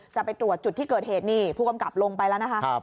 จะไปตรวจจุดที่เกิดเหตุนี่ผู้กำกับลงไปแล้วนะคะ